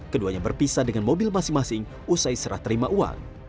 keduanya berpisah dengan mobil masing masing usai serah terima uang